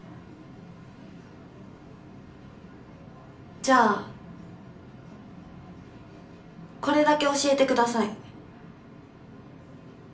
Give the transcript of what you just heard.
じゃあこれだけ教えてください。